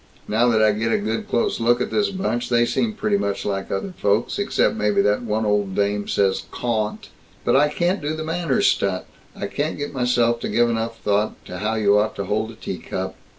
Now that I get a good close look at this bunch, they seem pretty much like other folks, except maybe that one old dame says 'cawn't.' But I can't do the manners stunt. I can't get myself to give enough thought to how you ought to hold a tea cup."